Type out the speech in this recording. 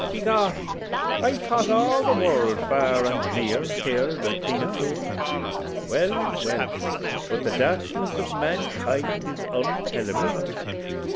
"By Gor, I thought all the world, far and near, heerd o' King O'Toole well, well, but the darkness of mankind is ontellible!